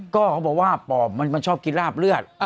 ก็เขาบอกว่าปอบมันชอบกินราบเลือด